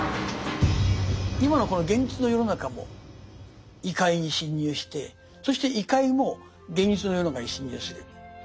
今のこの現実の世の中も異界に侵入してそして異界も現実の世の中に侵入する。